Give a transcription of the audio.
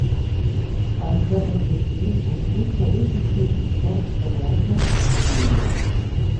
А з гэтых людзей імкнуцца выціснуць усё, што можна і што нельга.